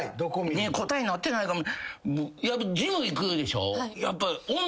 答えになってないかも。